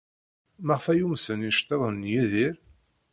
Maɣef ay umsen yiceḍḍiden n Yidir?